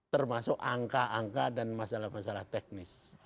termasuk angka angka dan masalah masalah teknis